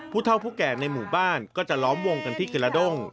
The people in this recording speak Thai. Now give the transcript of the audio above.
ผู้เท่าผู้แก่ในหมู่บ้านก็จะล้อมวงกันที่กระด้ง